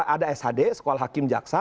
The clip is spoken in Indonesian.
ada shd sekolah hakim jaksa